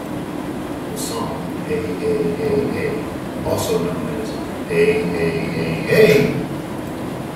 The song "Hey-Hey-Hey-Hey", also known as "Hey-Hey-Hey-Hey!